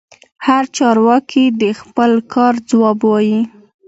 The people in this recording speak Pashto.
هر چارواکي د خپل کار ځواب وايي.